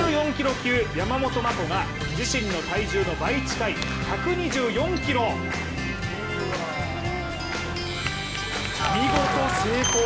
級山本真鼓が自身の体重の倍近い１２４ｋｇ見事成功。